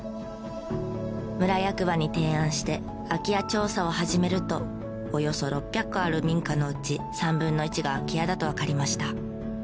村役場に提案して空き家調査を始めるとおよそ６００戸ある民家のうち３分の１が空き家だとわかりました。